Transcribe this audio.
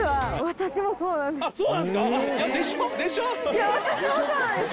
私もそうなんです。